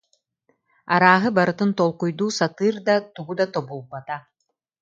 Арааһы барытын толкуйдуу сатыыр да, тугу да тобулбата